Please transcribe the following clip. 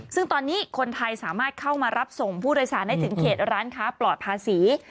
ซึ่งตอนนี้คนไทยสามารถเข้ามารับส่งผู้โดยสารได้ถึงเขตร้านค้าปลอดภาษี